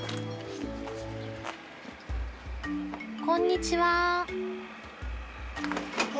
こんにちは。